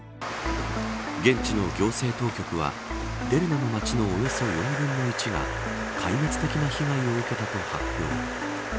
現地の行政当局はデルナの町のおよそ４分の１が壊滅的な被害を受けたと発表。